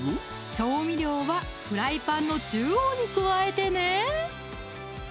調味料はフライパンの中央に加えてね！